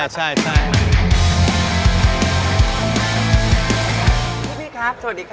พี่ครับสวัสดีครับ